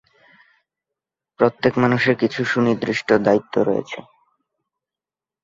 প্রত্যেক মানুষের কিছু সুনির্দিষ্ট দায়িত্বও রয়েছে।